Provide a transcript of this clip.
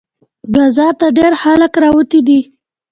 بازار ته ډېر خلق راوتي دي